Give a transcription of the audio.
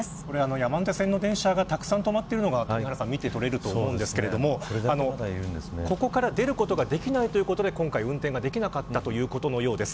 山手線の電車がたくさん止まってるのが見て取れると思うんですけどここから出ることができないということで今回運転ができなかったということのようです。